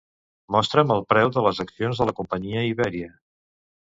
Mostra'm el preu de les accions de la companyia Iberia.